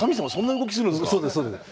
そうですそうです。